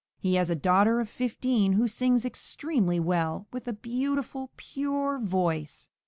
He has a daughter of fifteen, who sings extremely well, with a beautiful, pure voice.